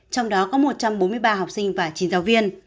trong đó có một trăm bốn mươi ba học sinh và chín giáo viên